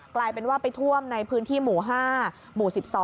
กลายเป็นว่าไปท่วมในพื้นที่หมู่๕หมู่๑๒